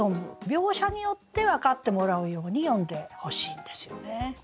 描写によって分かってもらうように詠んでほしいんですよね。